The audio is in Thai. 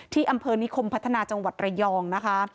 ที่อำเภอนิคมพัฒนาจังหวัดระยองนะคะ